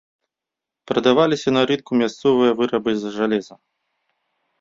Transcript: Прадаваліся на рынку мясцовыя вырабы з жалеза.